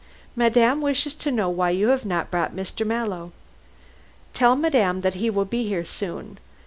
"Madame wishes to know why you have not brought Mr. Mallow." "Tell madame that he will be here soon.